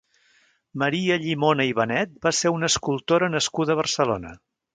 Maria Llimona i Benet va ser una escultora nascuda a Barcelona.